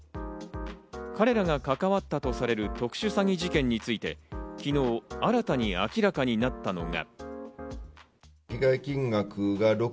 彼らが関わったとされる特殊詐欺事件について、昨日新たに明らかになったのが。